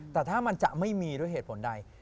แต่ถ้ามันจะไม่มีด้วยเหตุผลใด